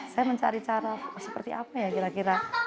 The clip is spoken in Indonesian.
saya mencari cara seperti apa ya kira kira